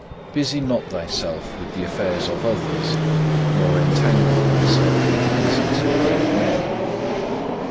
3. Busy not thyself with the affairs of others, nor entangle thyself with the business of great men.